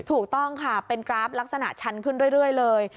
ถูกต้องค่ะเป็นกราฟลักษณะชันขึ้นเรื่อยเลย